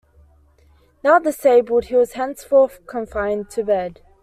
Now disabled, he was henceforth confined to bed.